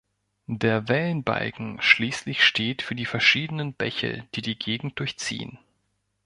Der Wellenbalken schließlich steht für die verschiedenen Bäche, die die Gegend durchziehen.